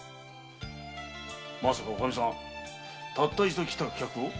まさか女将さんたった一度来た客を？